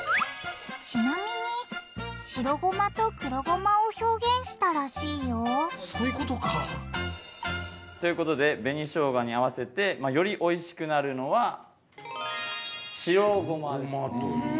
ちなみに白ごまと黒ごまを表現したらしいよそういうことか。ということで紅しょうがに合わせてよりおいしくなるのは白ごまです。え？